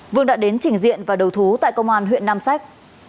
vương đã đến trình diện và đầu thú tại công an huyện nam sách